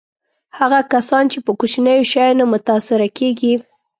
هغه کسان چې په کوچنیو شیانو متأثره کېږي.